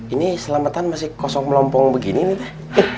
ini selamatan masih kosong melompong begini nih teh